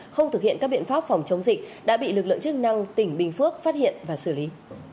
không thực hiện các biện pháp phòng chống dịch đã bị lực lượng chức năng tỉnh bình phước phát hiện và xử lý